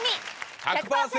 「１００％！